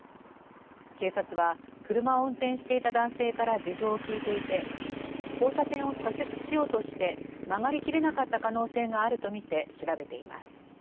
警察は車を運転していた男性から事情を聞いていて交差点を左折しようとして曲がり切れなかった可能性があるとみて調べています。